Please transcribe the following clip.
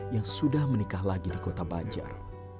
yang sudah menikah lagi di kota banjar